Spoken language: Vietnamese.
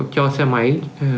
cho xe máy